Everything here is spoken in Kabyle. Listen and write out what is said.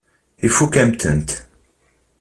Ifakk-am-tent.